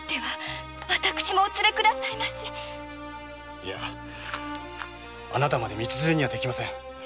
いやあなたまで道連れにはできません。